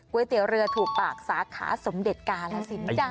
เตี๋ยวเรือถูกปากสาขาสมเด็จกาลสินจ้ะ